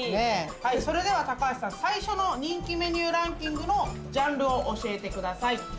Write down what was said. それでは高橋さん、最初の人気メニューランキングのジャンルを教えてください。